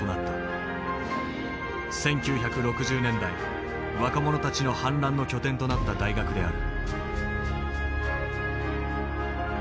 １９６０年代若者たちの反乱の拠点となった大学である。